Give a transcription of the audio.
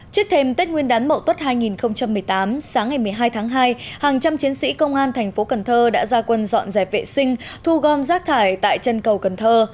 trước thêm tết nguyên đán mậu tuất hai nghìn một mươi tám sáng ngày một mươi hai tháng hai hàng trăm chiến sĩ công an thành phố cần thơ đã ra quân dọn dẹp vệ sinh thu gom rác thải tại chân cầu cần thơ